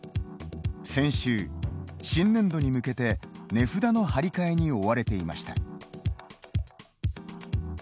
先週、新年度に向けて値札の貼り替えに追われていました。